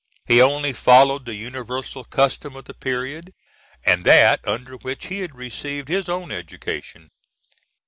He only followed the universal custom of the period, and that under which he had received his own education.